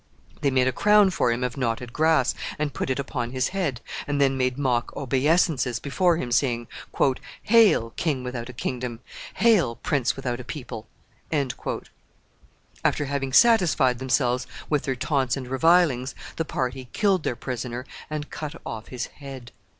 They made a crown for him of knotted grass, and put it upon his head, and then made mock obeisances before him, saying, "Hail! king without a kingdom. Hail! prince without a people." After having satisfied themselves with their taunts and revilings, the party killed their prisoner and cut off his head.